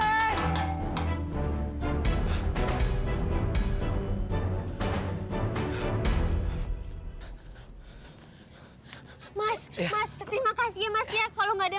iya panggilin dia